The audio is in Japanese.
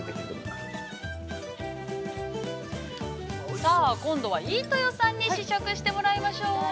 ◆さあ今度は飯豊さんに試食してもらいましょう。